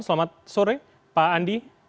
selamat sore pak andi